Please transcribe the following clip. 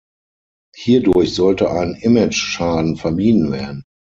Hierdurch sollte ein Imageschaden vermieden werden.